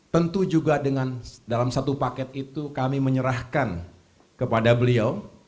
tentu juga dengan dalam satu paket itu kami menyerahkan kepada beliau